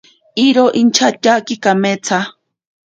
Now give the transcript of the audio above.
Iro inchatyaki kameetsa.